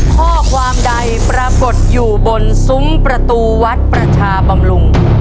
ข้อความใดปรากฏอยู่บนซุ้มประตูวัดประชาบำรุง